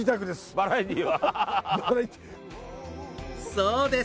そうです